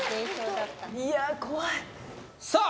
いや怖いさあ